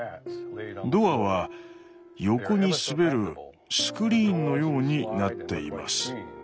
ドアは横に滑るスクリーンのようになっています。